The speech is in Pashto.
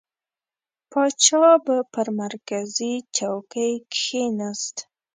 پاچا به پر مرکزي چوکۍ کښېنست.